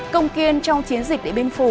công kiên trong chiến dịch địa biên phủ